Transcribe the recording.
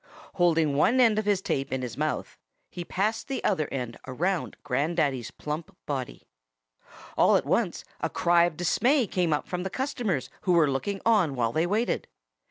Holding one end of his tape in his mouth, he passed the other end around Grandaddy's plump body. All at once a cry of dismay came from the customers who were looking on while they waited.